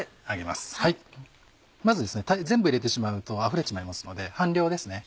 まず全部入れてしまうとあふれてしまいますので半量ですね